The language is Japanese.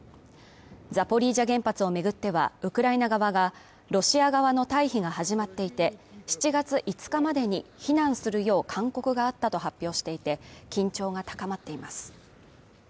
ザポリージャ原発を巡っては、ウクライナ側がロシア側の退避が始まっていて７月５日までに避難するよう勧告があったと発表していて、緊張が高まっています。